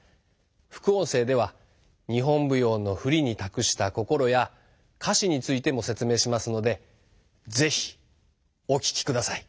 副音声では日本舞踊の振りに託した心や歌詞についても説明しますので是非お聞きください。